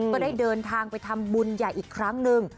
ก็ได้เดินทางไปทำบุญใหญ่อีกครั้งหนึ่ง